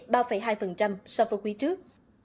ba hai so với quý trước